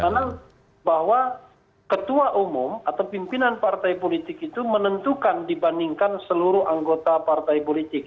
karena bahwa ketua umum atau pimpinan partai politik itu menentukan dibandingkan seluruh anggota partai politik